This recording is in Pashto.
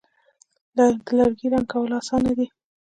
د لرګي رنګ کول آسانه دي.